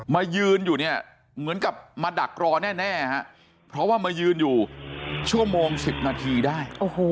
มายืนอยู่เนี่ยเหมือนกับมาดักรอแน่ฮะเพราะว่ามายืนอยู่ชั่วโมง๑๐นาทีได้